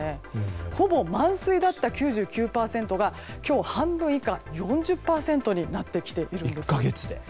ほぼ満水だった９９％が今日半分以下４０％になってきているんです。